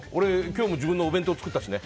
今日も自分のお弁当作ったしね。